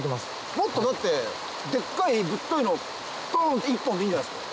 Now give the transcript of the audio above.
もっとだってデッカいぶっといのドン！って一本でいいんじゃないですか？